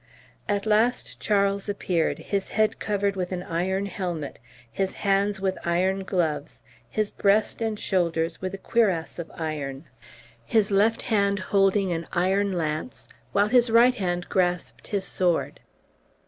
At last Charles appeared, his head covered with an iron helmet, his hands with iron gloves, his breast and shoulders with a cuirass of iron, his left hand holding an iron lance, while his right hand grasped his sword.